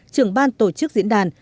trưởng ban tổ chức diễn đàn